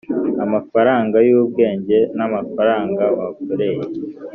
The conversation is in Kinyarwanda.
amafaranga yubwenge na amafaranga wakoreye